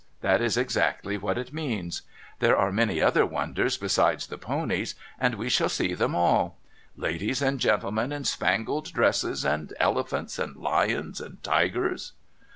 That is exactly what it means. There are many other wonders besides the ponies, and we shall see them all. Ladies and gentlemen in spangled dresses, and elephants and lions and tigers.'